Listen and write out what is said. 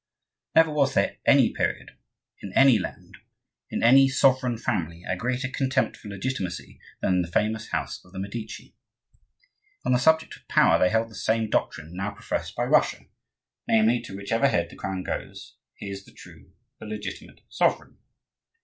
Never was there any period, in any land, in any sovereign family, a greater contempt for legitimacy than in the famous house of the Medici. On the subject of power they held the same doctrine now professed by Russia, namely: to whichever head the crown goes, he is the true, the legitimate sovereign.